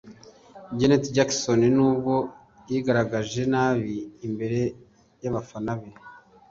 Janet Jackson n’ubwo yigaragaje nabi imbere y’abafana be